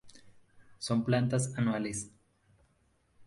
Son plantas anuales.